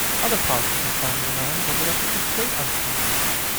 Other parts of the family lands ended up with his great-uncles.